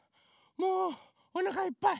もうおなかいっぱい。